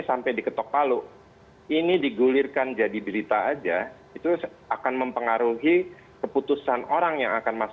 ada toleran di dalamnya